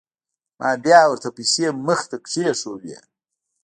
ما بيا ورته پيسې مخې ته كښېښووې.